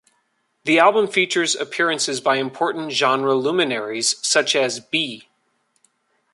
The album features appearances by important genre luminaries, such as B.